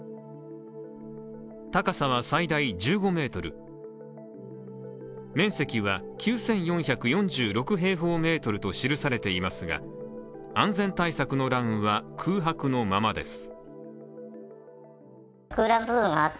高さは最大１５ｍ面積は９４４６平方メートルと記されていますが安全対策の欄は空白のままです。